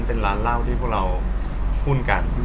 เป็นร้านเหล้าที่พวกเราหุ้นกัน